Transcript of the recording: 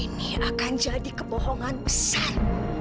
ini akan jadi kebohongan besar